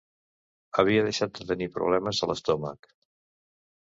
Havia deixat de tenir problemes a l’estómac.